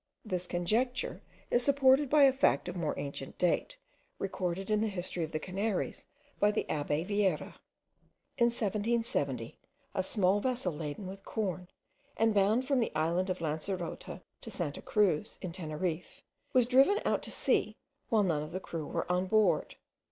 This conjecture is supported by a fact of more ancient date, recorded in the history of the Canaries by the abbe Viera. In 1770, a small vessel laden with corn, and bound from the island of Lancerota, to Santa Cruz, in Teneriffe, was driven out to sea, while none of the crew were on board.